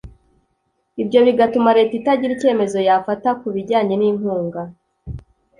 ibyo bigatuma leta itagira ikemezo yafata ku bijyanye n inkunga